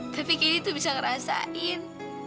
tapi keni tuh bisa ngerasain